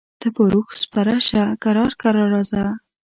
ته پر اوښ سپره شه کرار کرار راځه.